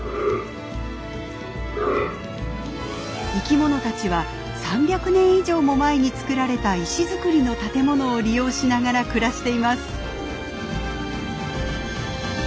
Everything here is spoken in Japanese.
生き物たちは３００年以上も前に造られた石造りの建物を利用しながら暮らしています。